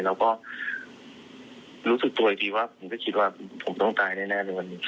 แล้วก็รู้สึกตัวอีกทีว่าผมก็คิดว่าผมต้องตายแน่ในวันนี้